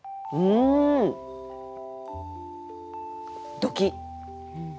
ドキッ。